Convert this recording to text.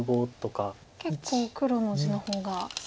結構黒の地の方が。